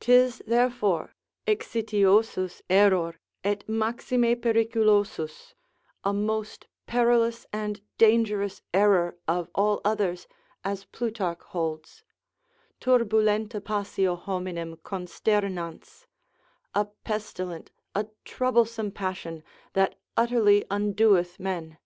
'Tis therefore exitiosus error, et maxime periculosus, a most perilous and dangerous error of all others, as Plutarch holds, turbulenta passio hominem consternans, a pestilent, a troublesome passion, that utterly undoeth men.